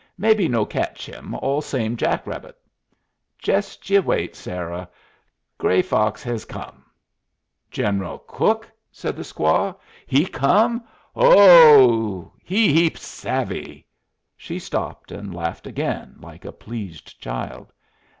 "Maybe no catch him. All same jack rabbit." "Jest ye wait, Sarah; Gray Fox hez come." "Gen'l Crook!" said the squaw. "He come! Ho! He heap savvy." She stopped, and laughed again, like a pleased child.